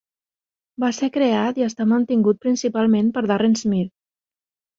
Va ser creat i està mantingut principalment per Darren Smith.